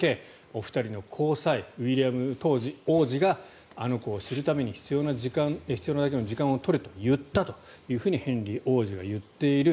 お二人の交際当時のウィリアム王子があの子を知るために必要なだけの時間を取れと言ったとヘンリー王子は言っている。